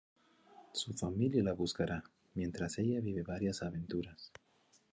Su familia la buscará, mientras ella vive varias aventuras.